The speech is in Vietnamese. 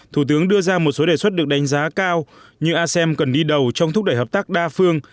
thủ tướng đưa ra một số đề xuất được đánh giá cao như asem cần đi đầu trong thúc đẩy hợp tác đa phương